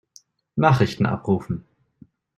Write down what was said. Nachrichten abrufen.